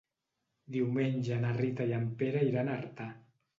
Diumenge na Rita i en Pere iran a Artà.